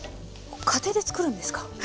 家庭で作るんですか？